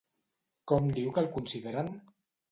Com diu que el consideren?